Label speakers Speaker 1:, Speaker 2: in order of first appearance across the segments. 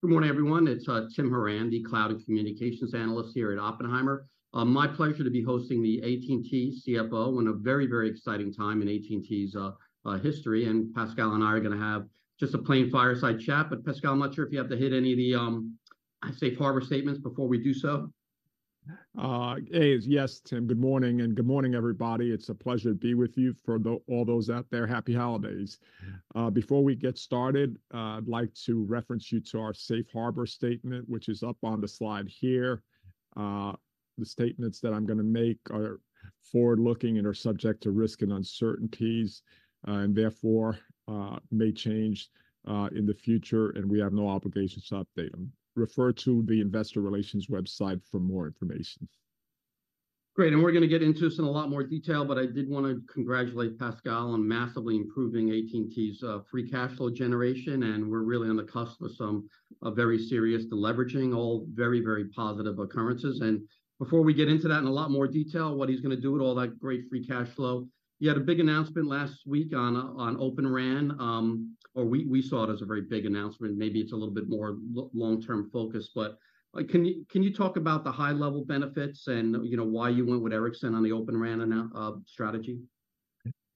Speaker 1: Good morning, everyone. It's Tim Horan, the Cloud and Communications analyst here at Oppenheimer. My pleasure to be hosting the AT&T CFO in a very, very exciting time in AT&T's history, and Pascal and I going to have just a plain fireside chat. But Pascal, I'm not sure if you have to hit any of the Safe Harbor Statements before we do so.
Speaker 2: Yes, Tim. Good morning, and good morning, everybody. It's a pleasure to be with you. For all those out there, happy holidays. Before we get started, I'd like to reference you to our Safe Harbor Statement, which is up on the slide here. The statements that going to make are forward-looking and are subject to risk and uncertainties, and therefore, may change in the future, and we have no obligation to update them. Refer to the Investor Relations website for more information.
Speaker 1: Great, and going toget into this in a lot more detail, but I did want to congratulate Pascal on massively improving AT&T's free cash flow generation, and we're really on the cusp of some very serious deleveraging. All very, very positive occurrences. Before we get into that in a lot more detail, what going todo with all that great free cash flow, you had a big announcement last week on Open RAN, or we saw it as a very big announcement. Maybe it's a little bit more long-term focused, but like, can you talk about the high-level benefits and, you know, why you went with Ericsson on the Open RAN announcement strategy?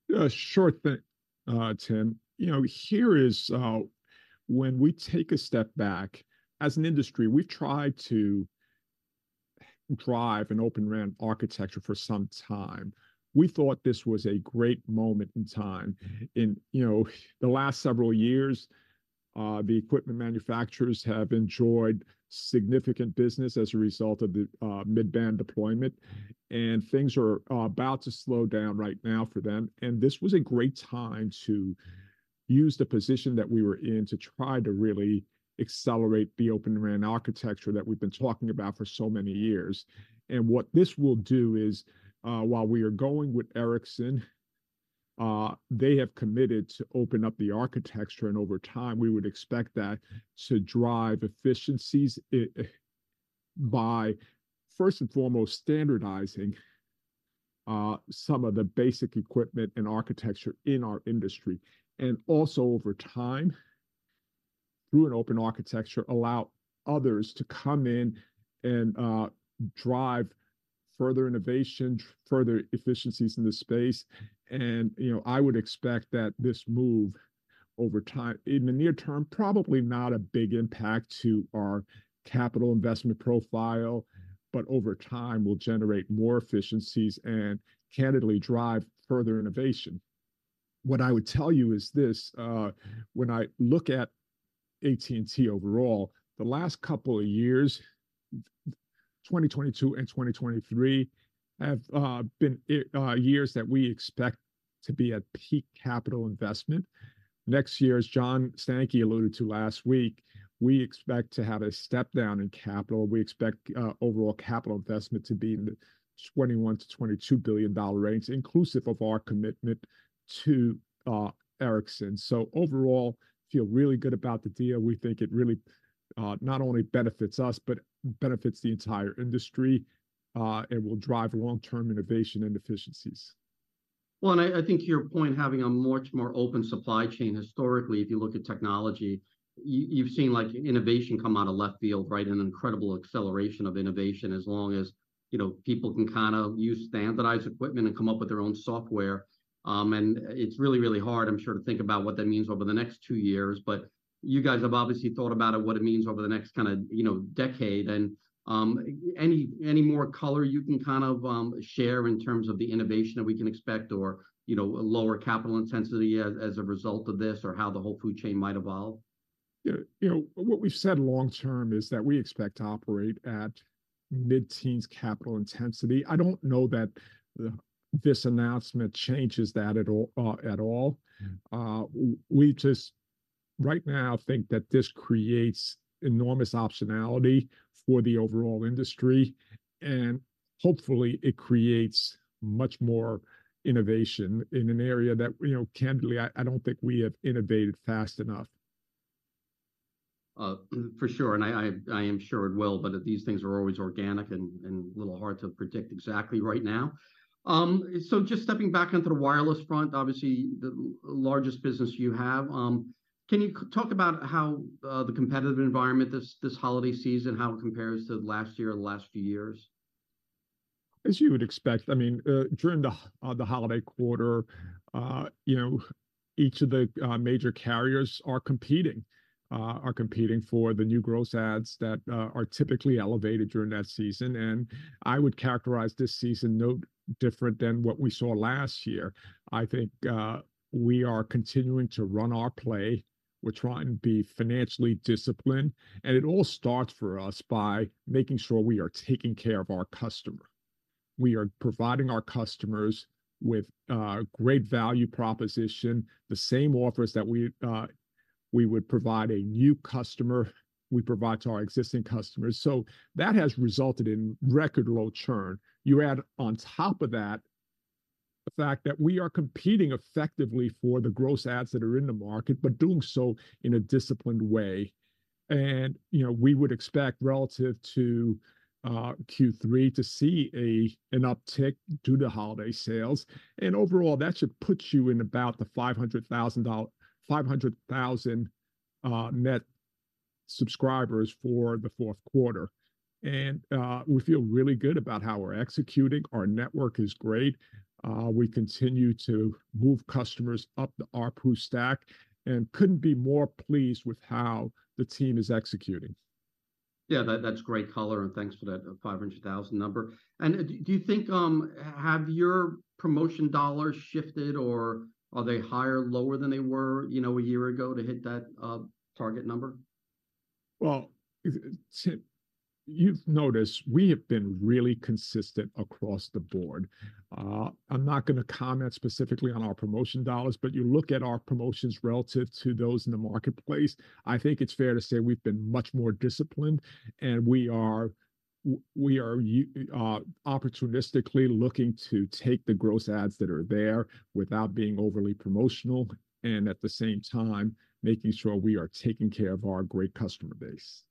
Speaker 2: Yeah, sure, Tim. You know, here is, when we take a step back, as an industry, we've tried to drive an Open RAN architecture for some time. We thought this was a great moment in time. And, you know, the last several years, the equipment manufacturers have enjoyed significant business as a result of the mid-band deployment, and things are about to slow down right now for them. And this was a great time to use the position that we were in to try to really accelerate the Open RAN architecture that we've been talking about for so many years. And what this will do is, while we are going with Ericsson, they have committed to open up the architecture, and over time we would expect that to drive efficiencies by, first and foremost, standardizing some of the basic equipment and architecture in our industry. And also, over time, through an open architecture, allow others to come in and drive further innovation, further efficiencies in the space. And, you know, I would expect that this move, over time, in the near term, probably not a big impact to our capital investment profile, but over time will generate more efficiencies and candidly drive further innovation. What I would tell you is this, when I look at AT&T overall, the last couple of years, 2022 and 2023, have been years that we expect to be at peak capital investment. Next year, as John Stankey alluded to last week, we expect to have a step-down in capital. We expect overall capital investment to be in the $21 billion-$22 billion range, inclusive of our commitment to Ericsson. So overall, feel really good about the deal. We think it really not only benefits us, but benefits the entire industry, and will drive long-term innovation and efficiencies.
Speaker 1: Well, I think to your point, having a much more open supply chain, historically, if you look at technology, you've seen, like, innovation come out of left field, right? An incredible acceleration of innovation as long as, you know, people can kind of use standardized equipment and come up with their own software. It's really, really hard, I'm sure, to think about what that means over the next two years, but you guys have obviously thought about it, what it means over the next kind of, you know, decade. Any more color you can kind of share in terms of the innovation that we can expect or, you know, a lower capital intensity as a result of this, or how the whole supply chain might evolve?
Speaker 2: Yeah, you know, what we've said long term is that we expect to operate at mid-teens capital intensity. I don't know that this announcement changes that at all. We just right now think that this creates enormous optionality for the overall industry, and hopefully it creates much more innovation in an area that, you know, candidly, I don't think we have innovated fast enough.
Speaker 1: For sure, and I am sure it will, but these things are always organic and a little hard to predict exactly right now. So just stepping back into the wireless front, obviously the largest business you have, can you talk about how the competitive environment this holiday season, how it compares to last year or the last few years?
Speaker 2: As you would expect, I mean, during the holiday quarter, you know, each of the major carriers are competing for the new gross adds that are typically elevated during that season and I would characterize this season no different than what we saw last year. I think, we are continuing to run our play. We're trying to be financially disciplined, and it all starts for us by making sure we are taking care of our customer. We are providing our customers with great value proposition. The same offers that we would provide a new customer, we provide to our existing customers, so that has resulted in record low churn. You add on top of that the fact that we are competing effectively for the gross adds that are in the market, but doing so in a disciplined way. You know, we would expect, relative to Q3, to see an uptick due to holiday sales, and overall, that should put you in about 500,000 net subscribers for the fourth quarter, and we feel really good about how we're executing. Our network is great. We continue to move customers up the ARPU stack and couldn't be more pleased with how the team is executing.
Speaker 1: Yeah, that's great color, and thanks for that 500,000 number. And, do you think, have your promotion dollars shifted, or are they higher or lower than they were, you know, a year ago to hit that target number?
Speaker 2: Well, Tim, you've noticed we have been really consistent across the board. I'm not going to comment specifically on our promotion dollars, but you look at our promotions relative to those in the marketplace, I think it's fair to say we've been much more disciplined, and we are opportunistically looking to take the gross adds that are there without being overly promotional, and at the same time, making sure we are taking care of our great customer base.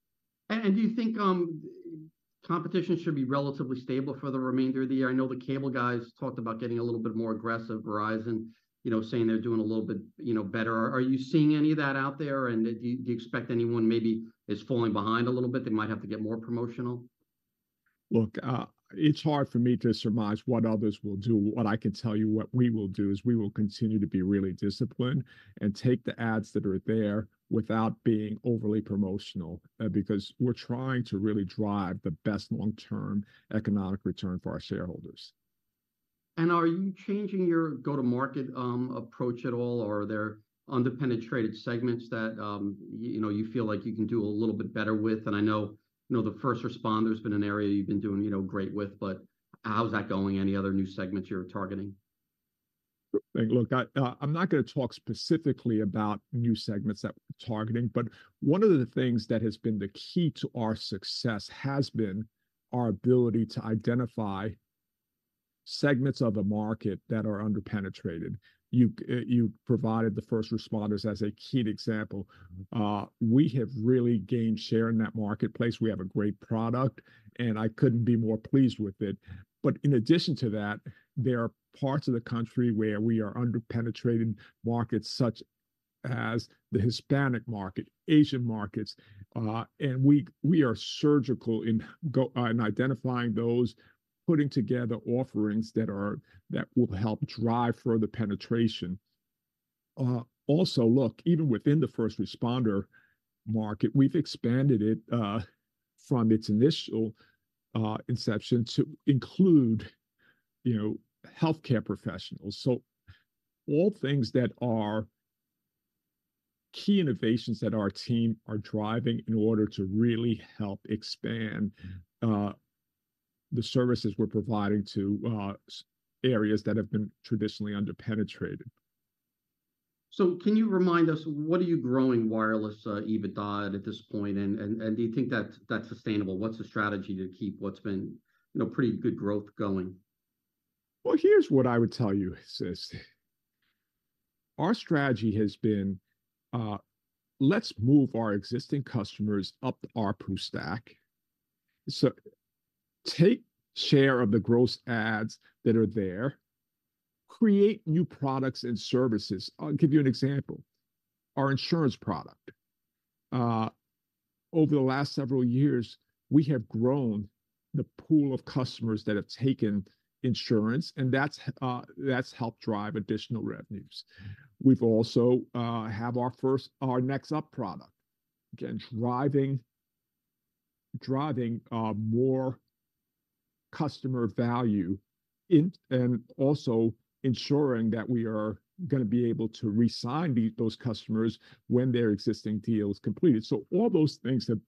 Speaker 1: And do you think competition should be relatively stable for the remainder of the year? I know the cable guys talked about getting a little bit more aggressive. Verizon, you know, saying they're doing a little bit, you know, better. Are you seeing any of that out there, and do you expect anyone maybe is falling behind a little bit, they might have to get more promotional?
Speaker 2: Look, it's hard for me to surmise what others will do. What I can tell you what we will do, is we will continue to be really disciplined and take the ads that are there without being overly promotional, because we're trying to really drive the best long-term economic return for our shareholders.
Speaker 1: Are you changing your go-to-market approach at all, or are there under-penetrated segments that you know, you feel like you can do a little bit better with? And I know, you know, the first responder has been an area you've been doing, you know, great with, but how's that going? Any other new segments you're targeting?
Speaker 2: Look, I'm not going to talk specifically about new segments that we're targeting, but one of the things that has been the key to our success has been our ability to identify segments of the market that are under-penetrated. You provided the first responders as a key example. We have really gained share in that marketplace. We have a great product, and I couldn't be more pleased with it. But in addition to that, there are parts of the country where we are under-penetrated markets, such as the Hispanic market, Asian markets, and we are surgical in going in identifying those, putting together offerings that will help drive further penetration. Also, look, even within the first responder market, we've expanded it from its initial inception to include, you know, healthcare professionals. So, all things that are key innovations that our team are driving in order to really help expand the services we're providing to areas that have been traditionally under-penetrated.
Speaker 1: So, can you remind us, what are you growing wireless EBITDA at this point, and do you think that's sustainable? What's the strategy to keep what's been, you know, pretty good growth going?
Speaker 2: Well, here's what I would tell you is this. Our strategy has been, let's move our existing customers up the ARPU stack. So, take share of the gross adds that are there, create new products and services. I'll give you an example, our insurance product. Over the last several years, we have grown the pool of customers that have taken insurance, and that's helped drive additional revenues. We've also had our first, our Next Up product. Again, driving more customer value in, and also ensuring that we are going to be able to re-sign those customers when their existing deal is completed. So all those things have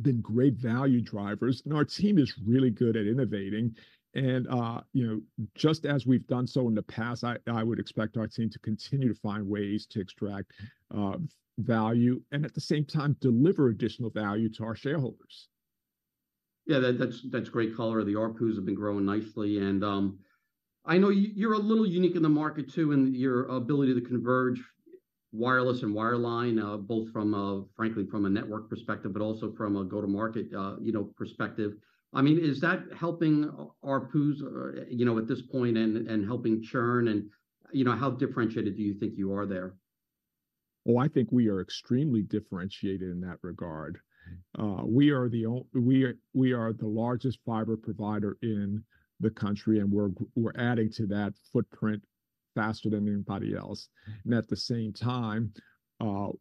Speaker 2: been great value drivers, and our team is really good at innovating, and you know, just as we've done so in the past, I would expect our team to continue to find ways to extract value and at the same time, deliver additional value to our shareholders.
Speaker 1: Yeah, that's great color. The ARPUs have been growing nicely, and I know you're a little unique in the market, too, in your ability to converge wireless and wireline, both from a, frankly, from a network perspective, but also from a go-to-market, you know, perspective. I mean, is that helping ARPUs, you know, at this point and helping churn, and you know, how differentiated do you think you are there?
Speaker 2: Well, I think we are extremely differentiated in that regard. We are the largest fiber provider in the country, and we're, we're adding to that footprint faster than anybody else and at the same time,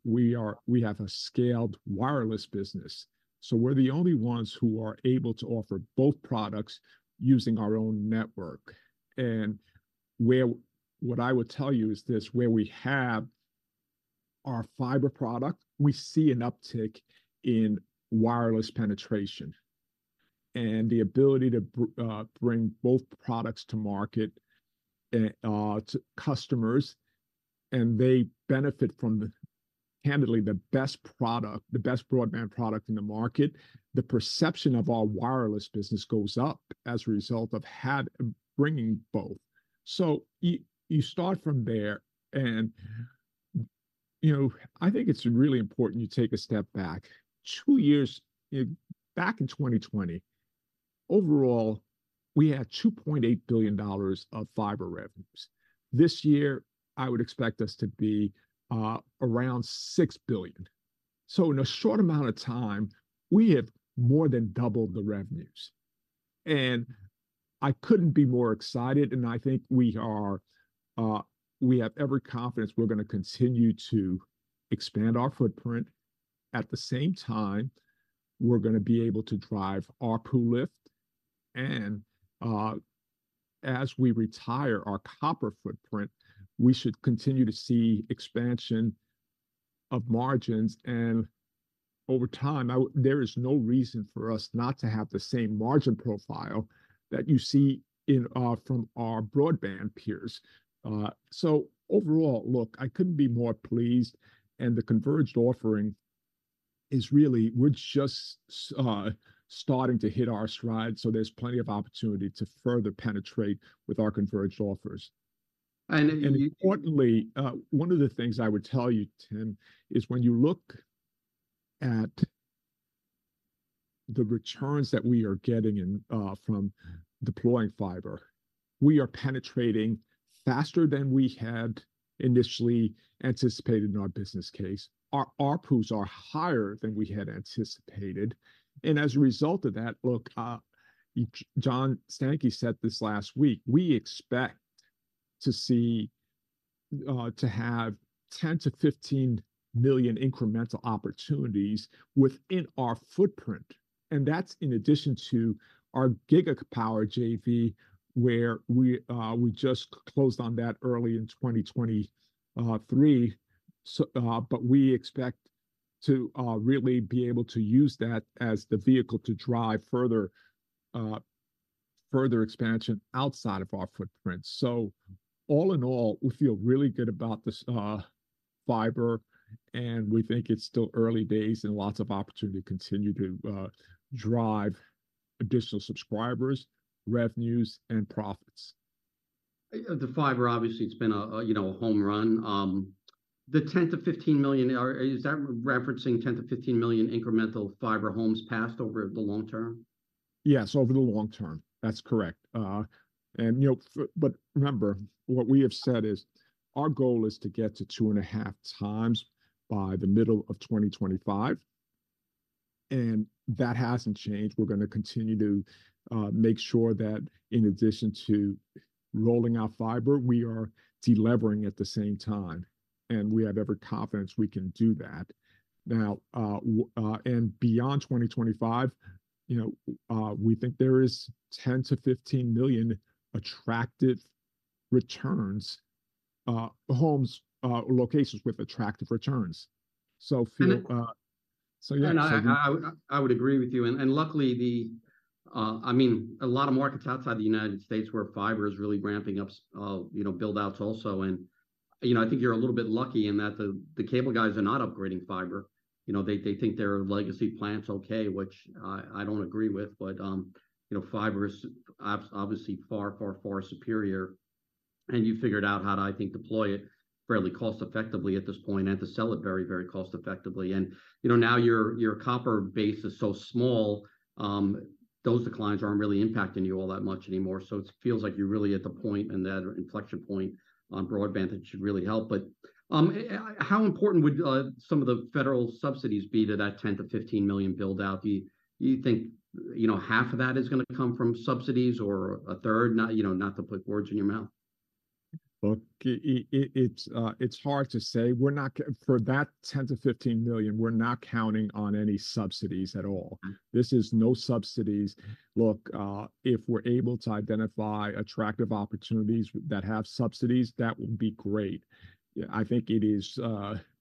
Speaker 2: we have a scaled wireless business, so we're the only ones who are able to offer both products using our own network and where-- what I would tell you is this, where we have our fiber product, we see an uptick in wireless penetration and the ability to bring both products to market, to customers, and they benefit from the, candidly, the best product, the best broadband product in the market. The perception of our wireless business goes up as a result of bringing both. So you start from there, and, you know, I think it's really important you take a step back. Two years back in 2020, overall, we had $2.8 billion of fiber revenues. This year, I would expect us to be around $6 billion. So, in a short amount of time, we have more than doubled the revenues, and I couldn't be more excited, and I think we are, we have every confidence going tocontinue to expand our footprint. At the same time, going tobe able to drive ARPU lift, and, as we retire our copper footprint, we should continue to see expansion of margins. And over time, there is no reason for us not to have the same margin profile that you see in our, from our broadband peers. So overall, look, I couldn't be more pleased, and the converged offering is really—we're just starting to hit our stride, so there's plenty of opportunity to further penetrate with our converged offers. And importantly, one of the things I would tell you, Tim, is when you look at the returns that we are getting in from deploying fiber, we are penetrating faster than we had initially anticipated in our business case. Our ARPU's are higher than we had anticipated, and as a result of that, look, John Stankey said this last week, "We expect to see to have 10-15 million incremental opportunities within our footprint," and that's in addition to our Gigapower JV, where we just closed on that early in 2023. So, but we expect to really be able to use that as the vehicle to drive further expansion outside of our footprint. All-in-all, we feel really good about this fiber, and we think it's still early days and lots of opportunity to continue to drive additional subscribers, revenues, and profits.
Speaker 1: The fiber, obviously, it's been a, you know, a home run. The 10-15 million, are, is that referencing 10-15 million incremental fiber homes passed over the long term?
Speaker 2: Yes, over the long term. That's correct. And, you know, but remember, what we have said is, our goal is to get to 2.5x by the middle of 2025, and that hasn't changed. going tocontinue to make sure that in addition to rolling out fiber, we are de-levering at the same time, and we have every confidence we can do that. Now, and beyond 2025, you know, we think there is 10-15 million attractive returns, homes or locations with attractive returns. So, for, So yeah-
Speaker 1: I would agree with you. And luckily, I mean, a lot of markets outside the United States where fiber is really ramping up, you know, build-outs also. You know, I think you're a little bit lucky in that the cable guys are not upgrading fiber. You know, they think their legacy plant's okay, which I don't agree with. But you know, fiber is obviously far, far, far superior, and you figured out how to, I think, deploy it fairly cost effectively at this point and to sell it very, very cost effectively. You know, now your copper base is so small, those declines aren't really impacting you all that much anymore. So it feels like you're really at the point and that inflection point on broadband, that should really help. But, how important would some of the federal subsidies be to that 10-15 million build-out? Do you think, you know, half of that going tocome from subsidies or a third? Not, you know, not to put words in your mouth.
Speaker 2: Look, it's hard to say. We're not for that 10-15 million, we're not counting on any subsidies at all. This is no subsidies. Look, if we're able to identify attractive opportunities that have subsidies, that would be great. Yeah, I think it is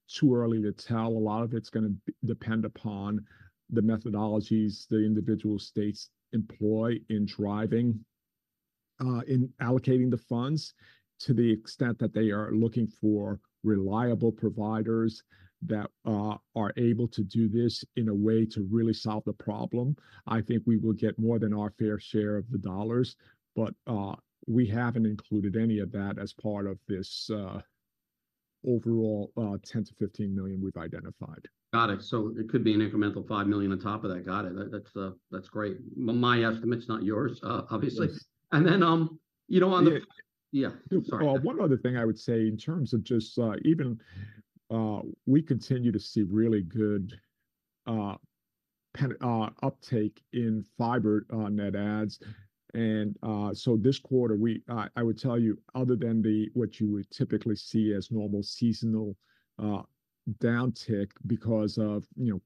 Speaker 2: too early to tell. A lot of going todepend upon the methodologies the individual states employ in driving in allocating the funds, to the extent that they are looking for reliable providers that are able to do this in a way to really solve the problem. I think we will get more than our fair share of the dollars, but we haven't included any of that as part of this overall 10-15 million we've identified.
Speaker 1: Got it. So it could be an incremental $5 million on top of that. Got it. That, that's, that's great. My estimate's, not yours, obviously. And then, you know, on the-
Speaker 2: Yeah.
Speaker 1: Yeah. Sorry.
Speaker 2: One other thing I would say in terms of just, even, we continue to see really good uptake in fiber net adds. So, this quarter, I would tell you, other than what you would typically see as normal seasonal downtick because of, you know,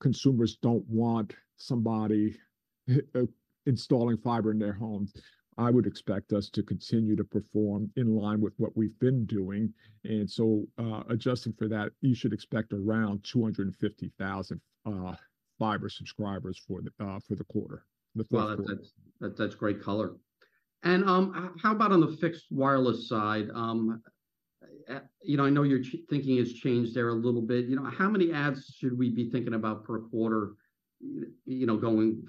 Speaker 2: consumers don't want somebody installing fiber in their homes, I would expect us to continue to perform in line with what we've been doing. So adjusting for that, you should expect around 250,000 fiber subscribers for the quarter, the fourth quarter.
Speaker 1: Well, that's great color. And, how about on the fixed wireless side? You know, I know your thinking has changed there a little bit. You know, how many adds should we be thinking about per quarter, you know, going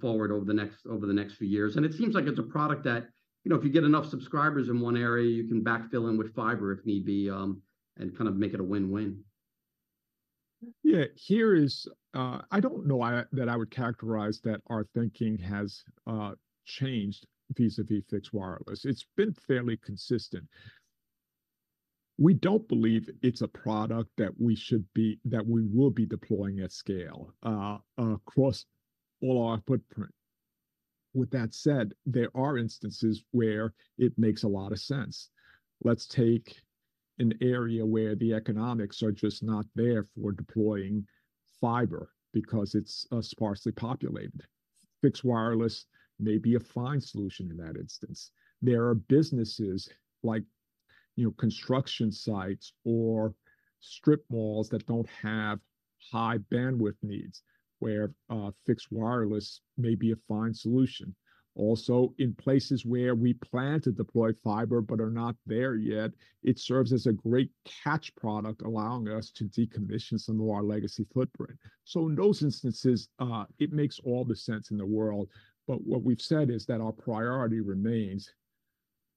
Speaker 1: forward over the next few years? And it seems like it's a product that, you know, if you get enough subscribers in one area, you can backfill in with fiber if need be, and kind of make it a win-win.
Speaker 2: Yeah, Here is- I don't know that I would characterize that our thinking has changed vis-a-vis fixed wireless. It's been fairly consistent. We don't believe it's a product that we should be, that we will be deploying at scale across all our footprint. With that said, there are instances where it makes a lot of sense. Let's take an area where the economics are just not there for deploying fiber because it's sparsely populated. Fixed wireless may be a fine solution in that instance. There are businesses like, you know, construction sites or strip malls that don't have high bandwidth needs, where fixed wireless may be a fine solution. Also, in places where we plan to deploy fiber but are not there yet, it serves as a great catch product, allowing us to decommission some of our legacy footprint. In those instances, it makes all the sense in the world. But what we've said is that our priority remains,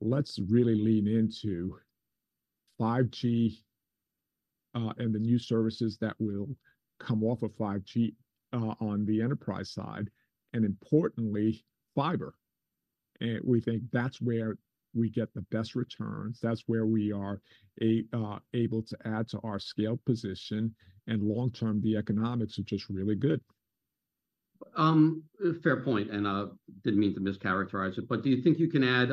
Speaker 2: let's really lean into 5G, and the new services that will come off of 5G, on the enterprise side, and importantly, fiber. We think that's where we get the best returns, that's where we are able to add to our scale position, and long term, the economics are just really good.
Speaker 1: Fair point, and didn't mean to mischaracterize it, but do you think you can add,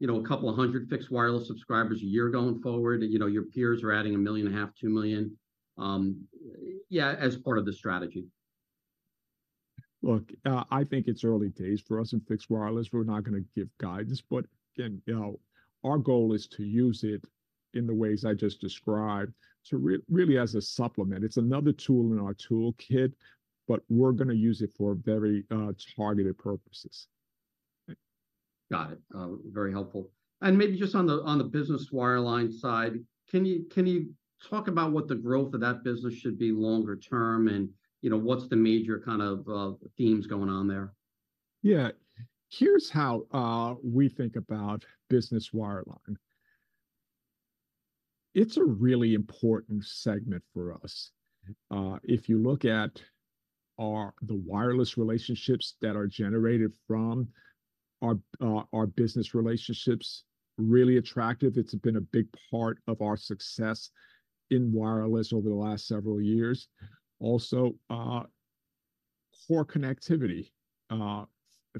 Speaker 1: you know, a couple of hundred fixed wireless subscribers a year going forward? You know, your peers are adding 1.5 million, 2 million, as part of the strategy.
Speaker 2: Look, I think it's early days for us in fixed wireless. We're going to give guidance, but, again, you know, our goal is to use it in the ways I just described, so really as a supplement. It's another tool in our toolkit but going to use it for very targeted purposes.
Speaker 1: Got it. Very helpful. And maybe just on the, on the business wireline side, can you, can you talk about what the growth of that business should be longer term and, you know, what's the major kind of themes going on there?
Speaker 2: Yeah. Here's how we think about business wireline. It's a really important segment for us. If you look at the wireless relationships that are generated from our business relationships, really attractive. It's been a big part of our success in wireless over the last several years. Also, core connectivity.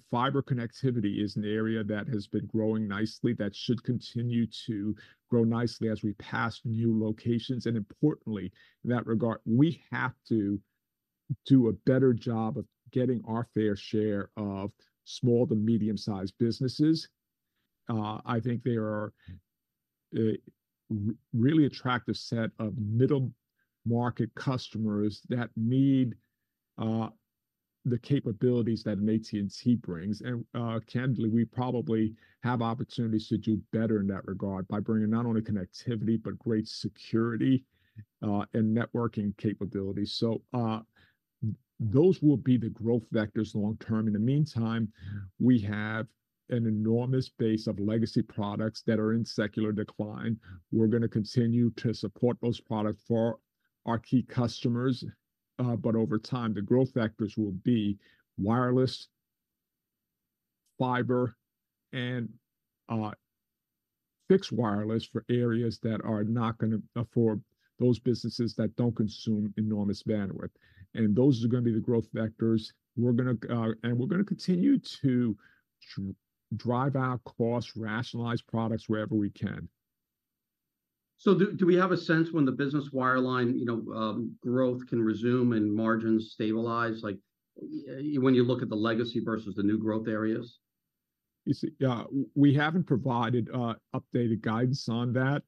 Speaker 2: Fiber connectivity is an area that has been growing nicely, that should continue to grow nicely as we pass new locations. And importantly, in that regard, we have to do a better job of getting our fair share of small to medium-sized businesses. I think they are a really attractive set of middle-market customers that need the capabilities that an AT&T brings. And, candidly, we probably have opportunities to do better in that regard by bringing not only connectivity, but great security, and networking capabilities. So, those will be the growth vectors long term. In the meantime, we have an enormous base of legacy products that are in secular decline. going to continue to support those products for our key customers, but over time, the growth vectors will be wireless, fiber, and fixed wireless for areas that are going to afford those businesses that don't consume enormous bandwidth. And those going to be the growth vectors. We're going to- and we're going to continue to drive our cost, rationalize products wherever we can.
Speaker 1: Do we have a sense when the business wireline, you know, growth can resume and margins stabilize, like, when you look at the legacy versus the new growth areas?
Speaker 2: You see, we haven't provided updated guidance on that,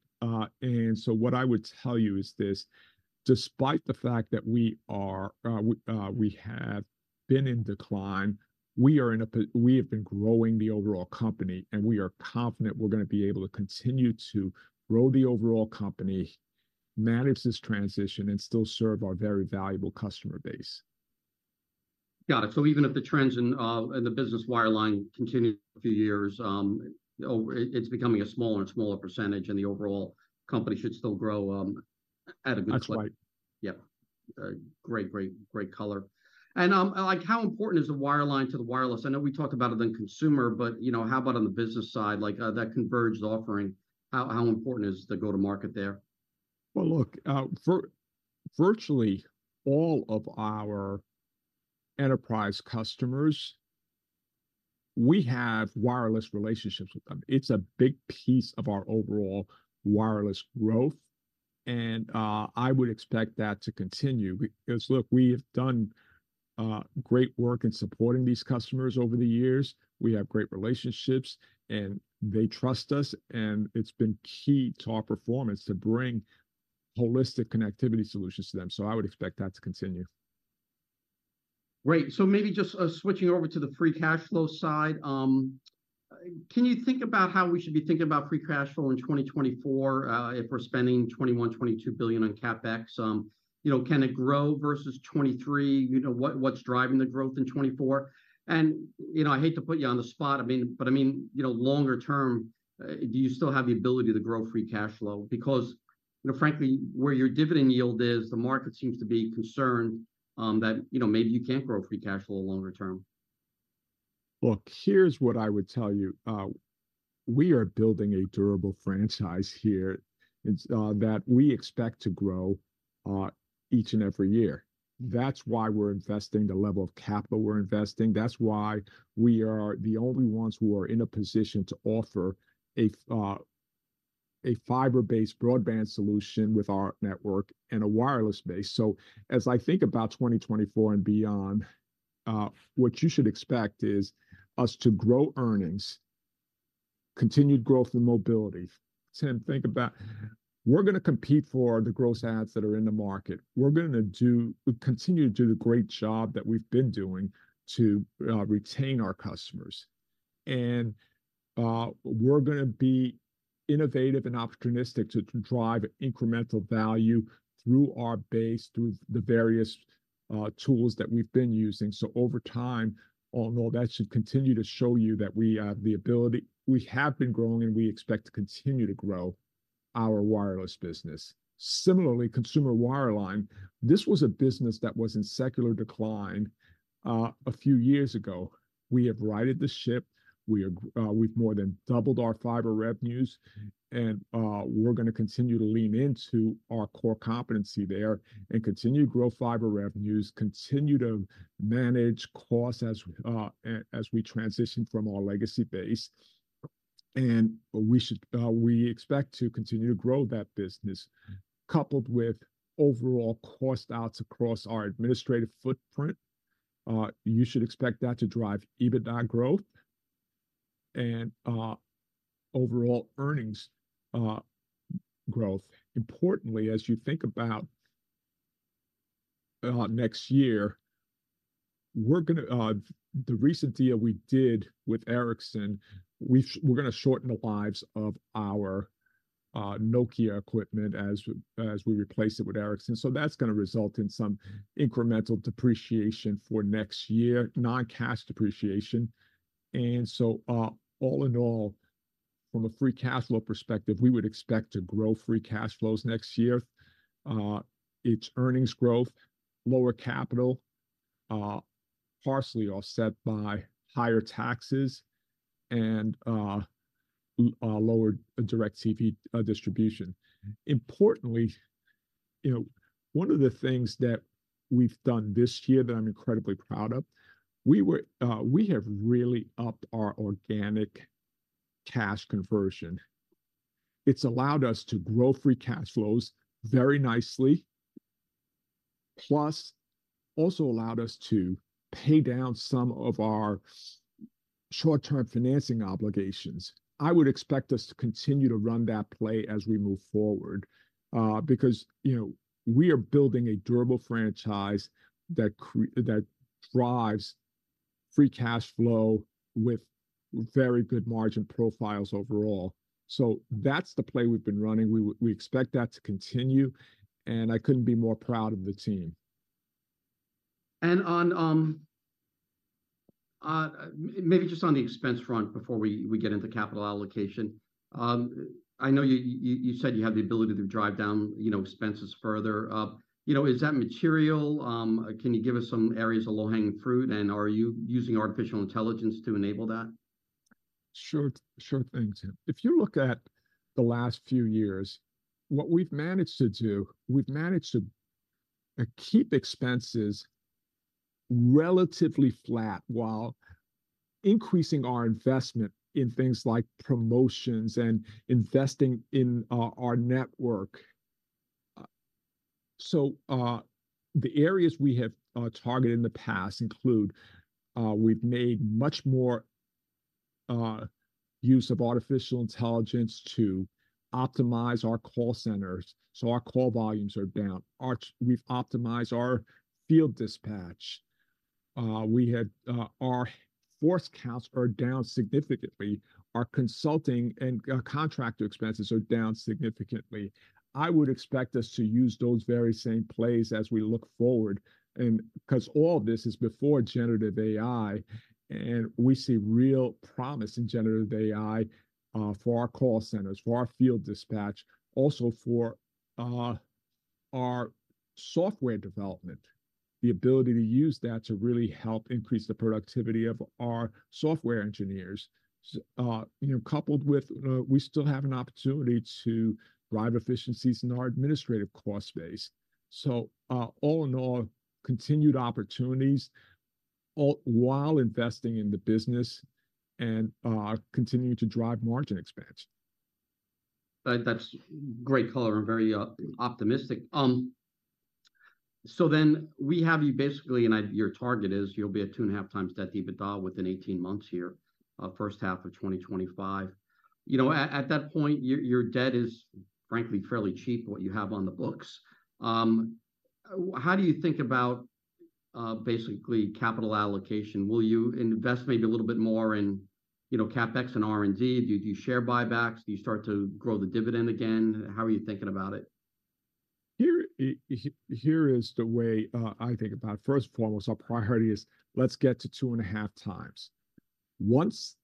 Speaker 2: and so what I would tell you is this: despite the fact that we have been in decline, we have been growing the overall company, and we are confident going to be able to continue to grow the overall company, manage this transition, and still serve our very valuable customer base.
Speaker 1: Got it. So even if the trends in the business wireline continue a few years, it's becoming a smaller and smaller percentage, and the overall company should still grow at a good clip.
Speaker 2: That's right.
Speaker 1: Yeah. Great, great, great color. And, like, how important is the wireline to the wireless? I know we talked about it in consumer, but, you know, how about on the business side, like, that converged offering, how, how important is the go-to-market there?
Speaker 2: Well, look, virtually all of our enterprise customers, we have wireless relationships with them. It's a big piece of our overall wireless growth, and I would expect that to continue. Because, look, we have done great work in supporting these customers over the years. We have great relationships, and they trust us, and it's been key to our performance to bring holistic connectivity solutions to them, so I would expect that to continue.
Speaker 1: Great. So maybe just switching over to the free cash flow side, can you think about how we should be thinking about free cash flow in 2024, if we're spending $21 billion-$22 billion on CapEx? You know, can it grow versus 2023? You know, what's driving the growth in 2024? And, you know, I hate to put you on the spot, I mean, but, I mean, you know, longer term, do you still have the ability to grow free cash flow? Because, you know, frankly, where your dividend yield is, the market seems to be concerned, that, you know, maybe you can't grow free cash flow longer term.
Speaker 2: Look, here's what I would tell you. We are building a durable franchise here, it's that we expect to grow each and every year. That's why we're investing the level of capital we're investing. That's why we are the only ones who are in a position to offer a fiber-based broadband solution with our network and a wireless base. So, as I think about 2024 and beyond, what you should expect is us to grow earnings, continued growth in mobility. Tim, think about, going to compete for the gross adds that are in the market. We're going to do-- we continue to do the great job that we've been doing to retain our customers. And, we're going to be innovative and opportunistic to, to drive incremental value through our base, through the various tools that we've been using. So over time, all-in-all, that should continue to show you that we have the ability-- we have been growing, and we expect to continue to grow our wireless business. Similarly, consumer wireline, this was a business that was in secular decline a few years ago. We have righted the ship. We are, we've more than doubled our fiber revenues, and going to continue to lean into our core competency there and continue to grow fiber revenues, continue to manage costs as we transition from our legacy base. And we should, we expect to continue to grow that business. Coupled with overall cost outs across our administrative footprint, you should expect that to drive EBITDA growth and overall earnings growth. Importantly, as you think about next year, we're going to-- the recent deal we did with Ericsson, going to shorten the lives of our Nokia equipment as we replace it with Ericsson, so going to result in some incremental depreciation for next year, non-cash depreciation. And so, all-in-all, from a free cash flow perspective, we would expect to grow free cash flows next year. It's earnings growth, lower capital partially offset by higher taxes and lower DIRECTV distribution. Importantly, you know, one of the things that we've done this year that I'm incredibly proud of, we have really upped our organic cash conversion. It's allowed us to grow free cash flows very nicely, plus also allowed us to pay down some of our short-term financing obligations. I would expect us to continue to run that play as we move forward, because, you know, we are building a durable franchise that drives free cash flow with very good margin profiles overall. So that's the play we've been running. We expect that to continue, and I couldn't be more proud of the team.
Speaker 1: And on maybe just on the expense front before we get into capital allocation. I know you said you have the ability to drive down, you know, expenses further. You know, is that material? Can you give us some areas of low-hanging fruit, and are you using artificial intelligence to enable that?
Speaker 2: Sure, sure thing, Tim. If you look at the last few years, what we've managed to do, we've managed to keep expenses relatively flat while increasing our investment in things like promotions and investing in our network. So, the areas we have targeted in the past include, we've made much more use of artificial intelligence to optimize our call centers, so our call volumes are down. We've optimized our field dispatch. We had our force counts are down significantly. Our consulting and contractor expenses are down significantly. I would expect us to use those very same plays as we look forward and-- because all this is before generative AI, and we see real promise in generative AI for our call centers, for our field dispatch, also for our software development. The ability to use that to really help increase the productivity of our software engineers, you know, coupled with, we still have an opportunity to drive efficiencies in our administrative cost base. So, all-in-all, continued opportunities, all while investing in the business and, continuing to drive margin expansion.
Speaker 1: That's great color and very optimistic. So, then we have you basically, your target is you'll be at 2.5x debt to EBITDA within 18 months here, first half of 2025. You know, at that point, your debt is frankly fairly cheap, what you have on the books. How do you think about basically capital allocation? Will you invest maybe a little bit more in, you know, CapEx and R&D? Do you do share buybacks? Do you start to grow the dividend again? How are you thinking about it?
Speaker 2: Here is the way I think about it. First and foremost, our priority is let's get to 2.5x. Once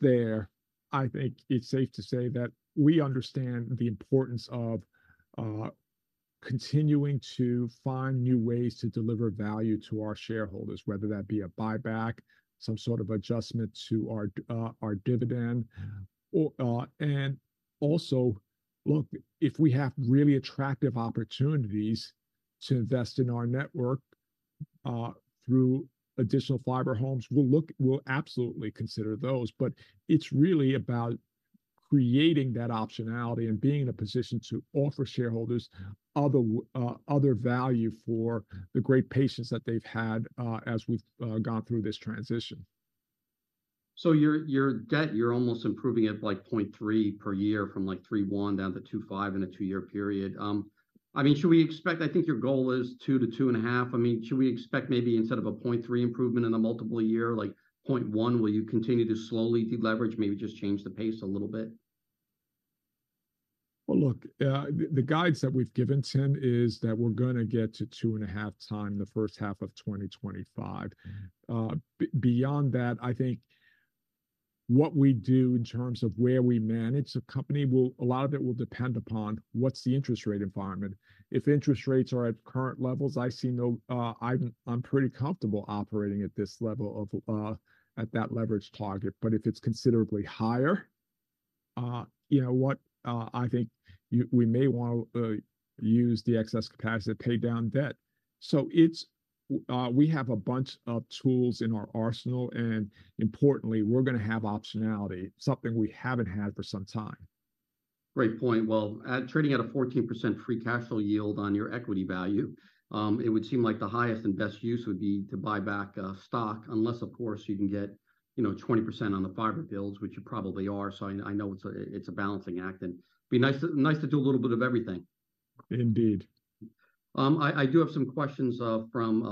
Speaker 2: there, I think it's safe to say that we understand the importance of continuing to find new ways to deliver value to our shareholders, whether that be a buyback, some sort of adjustment to our dividend, or. And also, look, if we have really attractive opportunities to invest in our network through additional fiber homes, we'll look, we'll absolutely consider those. But it's really about creating that optionality and being in a position to offer shareholders other value for the great patience that they've had as we've gone through this transition.
Speaker 1: So your debt, you're almost improving it, like, 0.3 per year from, like, 3.1 down to 2.5 in a two-year period. I mean, should we expect—I think your goal is 2-2.5. I mean, should we expect maybe instead of a 0.3 improvement in a multiple year, like, 0.1, will you continue to slowly de-leverage, maybe just change the pace a little bit?
Speaker 2: Well, look, the guides that we've given, Tim, is that going to get to 2.5x the first half of 2025. Beyond that, I think what we do in terms of where we manage the company will, a lot of it will depend upon what's the interest rate environment. If interest rates are at current levels, I see no-- I'm pretty comfortable operating at this level of at that leverage target. But if it's considerably higher, you know what? I think we may want to use the excess capacity to pay down debt. So, it's we have a bunch of tools in our arsenal, and importantly, going to have optionality, something we haven't had for some time.
Speaker 1: Great point. Well, at trading at a 14% free cash flow yield on your equity value, it would seem like the highest and best use would be to buy back stock. Unless, of course, you can get, you know, 20% on the fiber builds, which you probably are, so I know it's a balancing act, and it'd be nice to do a little bit of everything.
Speaker 2: Indeed.
Speaker 1: I do have some questions from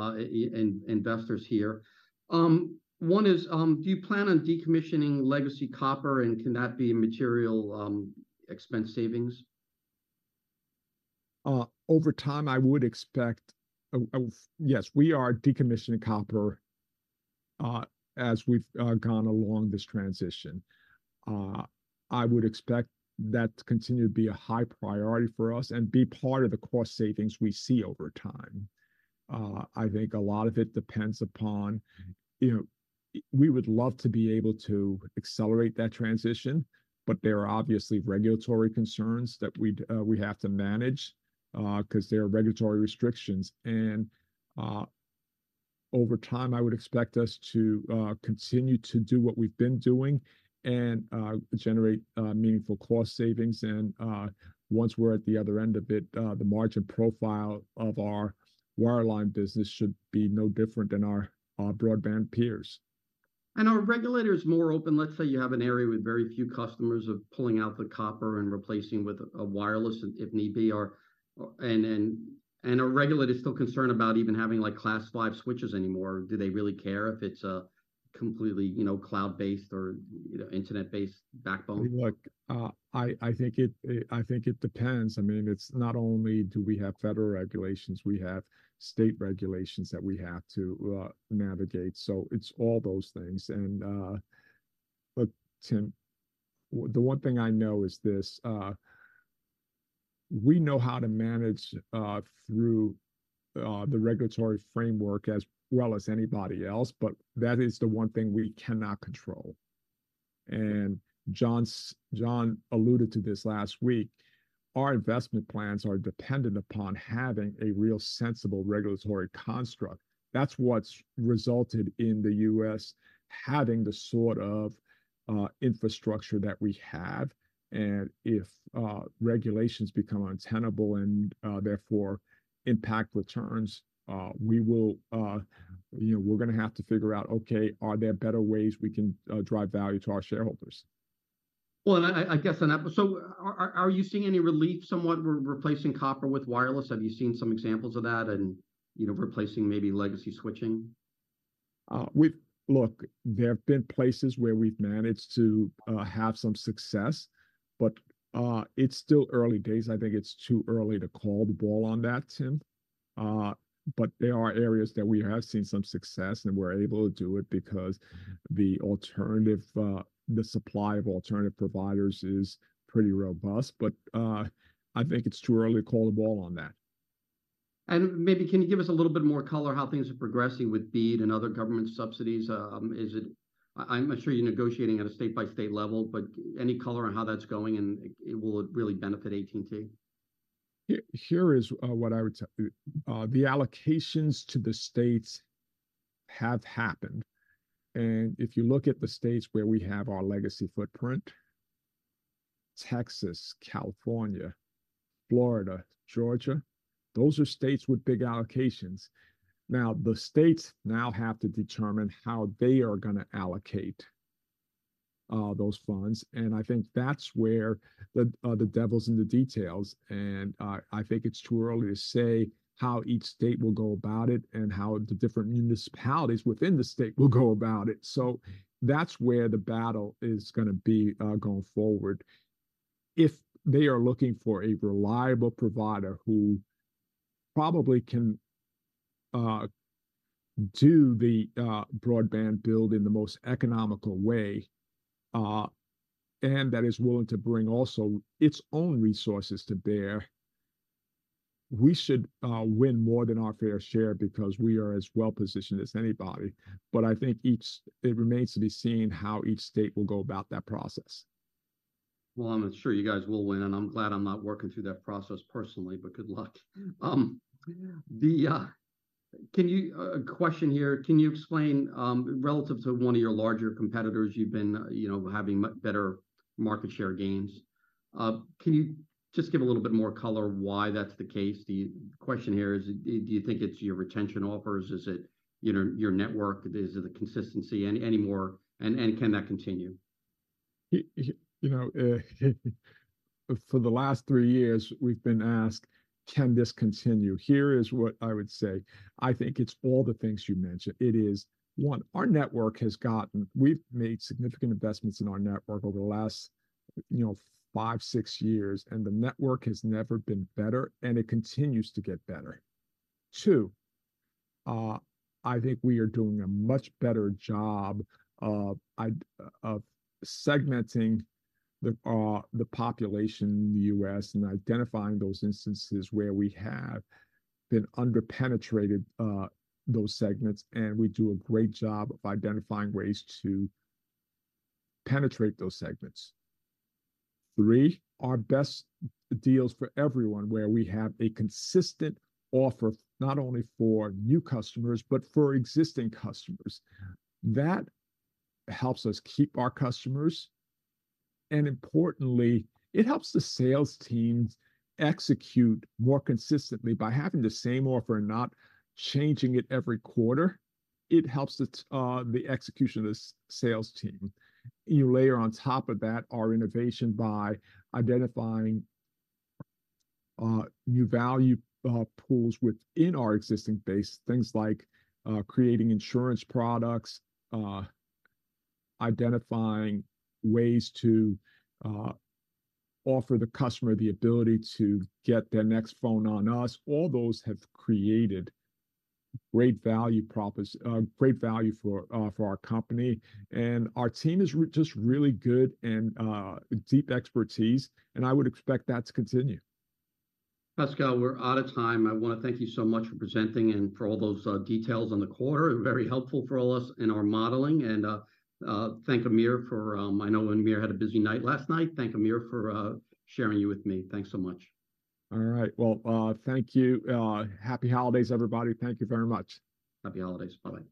Speaker 1: investors here. One is: "Do you plan on decommissioning legacy copper, and can that be a material expense savings?"
Speaker 2: Over time, I would expect—Yes, we are decommissioning copper as we've gone along this transition. I would expect that to continue to be a high priority for us and be part of the cost savings we see over time. I think a lot of it depends upon, you know, we would love to be able to accelerate that transition, but there are obviously regulatory concerns that we'd we have to manage because there are regulatory restrictions. And over time, I would expect us to continue to do what we've been doing and generate meaningful cost savings. And once we're at the other end of it, the margin profile of our wireline business should be no different than our broadband peers.
Speaker 1: And are regulators more open? Let's say you have an area with very few customers of pulling out the copper and replacing with a wireless, if need be, or, and are regulators still concerned about even having, like, Class 5 switches anymore? Do they really care if it's a completely, you know, cloud-based or, you know, internet-based backbone?
Speaker 2: Look, I think it depends. I mean, it's not only do we have federal regulations, we have state regulations that we have to navigate, so it's all those things. But, Tim, the one thing I know is this: we know how to manage through the regulatory framework as well as anybody else, but that is the one thing we cannot control and John Stankey alluded to this last week, our investment plans are dependent upon having a real sensible regulatory construct. That's what's resulted in the U.S. having the sort of infrastructure that we have, and if regulations become untenable and therefore impact returns, we will, you know, going to have to figure out, okay, are there better ways we can drive value to our shareholders?
Speaker 1: Well, and I guess, and that—so are you seeing any relief somewhat with replacing copper with wireless? Have you seen some examples of that and, you know, replacing maybe legacy switching?
Speaker 2: Look, there have been places where we've managed to have some success, but it's still early days. I think it's too early to call the ball on that, Tim. But there are areas that we have seen some success, and we're able to do it because the alternative, the supply of alternative providers is pretty robust. But I think it's too early to call the ball on that.
Speaker 1: Maybe can you give us a little bit more color how things are progressing with BEAD and other government subsidies? Is it-- I'm sure you're negotiating at a state-by-state level, but any color on how that's going, and will it really benefit AT&T?
Speaker 2: Here is what I would tell you. The allocations to the states have happened, and if you look at the states where we have our legacy footprint, Texas, California, Florida, Georgia, those are states with big allocations. Now, the states now have to determine how they going to allocate those funds, and I think that's where the devil's in the details. And I think it's too early to say how each state will go about it and how the different municipalities within the state will go about it. So that's where the battle going to be going forward. If they are looking for a reliable provider who probably can do the broadband build in the most economical way, and that is willing to bring also its own resources to bear. We should win more than our fair share because we are as well positioned as anybody, but I think each, it remains to be seen how each state will go about that process.
Speaker 1: Well, I'm sure you guys will win, and I'm glad I'm not working through that process personally, but good luck. A question here: "Can you explain relative to one of your larger competitors, you've been, you know, having better market share gains. Can you just give a little bit more color why that's the case?" The question here is, "Do you think it's your retention offers? Is it, you know, your network? Is it the consistency, anymore, and can that continue?"
Speaker 2: You know, for the last three years we've been asked, "Can this continue?" Here is what I would say: I think it's all the things you mentioned. It is, one, our network has gotten, we've made significant investments in our network over the last, you know, five, six years, and the network has never been better, and it continues to get better. Two, I think we are doing a much better job of segmenting the population in the U.S. and identifying those instances where we have been under-penetrated, those segments, and we do a great job of identifying ways to penetrate those segments. Three, our best deals for everyone, where we have a consistent offer, not only for new customers, but for existing customers. That helps us keep our customers, and importantly, it helps the sales teams execute more consistently. By having the same offer, not changing it every quarter, it helps the execution of the sales team. You layer on top of that our innovation by identifying new value pools within our existing base, things like creating insurance products, identifying ways to offer the customer the ability to get their next phone on us. All those have created great value, great value for our company, and our team is just really good and deep expertise, and I would expect that to continue.
Speaker 1: Pascal, we're out of time. I want to thank you so much for presenting and for all those details on the quarter. Very helpful for all of us in our modeling, and thank Amir for... I know Amir had a busy night last night. Thank Amir for sharing you with me. Thanks so much.
Speaker 2: All right. Well, thank you. Happy holidays, everybody. Thank you very much.
Speaker 1: Happy holidays. Bye-bye.